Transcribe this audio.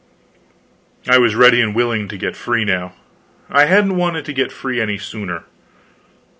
I was ready and willing to get free now; I hadn't wanted to get free any sooner.